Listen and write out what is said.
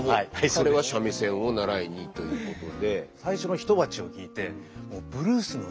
彼は三味線を習いにということで。